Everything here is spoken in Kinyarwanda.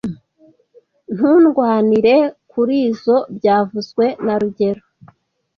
Ntundwanire kurizoi byavuzwe na rugero